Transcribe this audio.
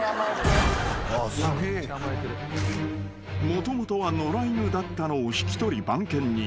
［もともとは野良犬だったのを引き取り番犬に］